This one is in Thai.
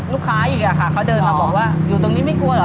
ลูกค้าอีกอะค่ะเขาเดินมาบอกว่าอยู่ตรงนี้ไม่กลัวเหรอ